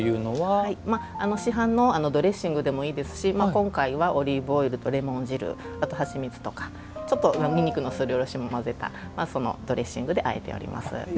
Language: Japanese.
市販のドレッシングでもいいですし今回はオリーブオイルとレモン汁あと蜂蜜とかちょっと、にんにくのすりおろしもあえたそのドレッシングであえております。